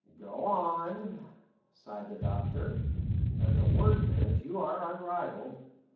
"Go on!" sighed the Doctor. "As a word mint you are unrivalled."